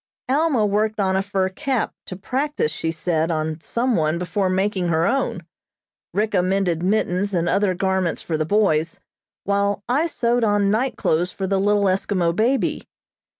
Alma worked on a fur cap, to practise, she said, on some one before making her own. Ricka mended mittens and other garments for the boys, while I sewed on night clothes for the little Eskimo baby.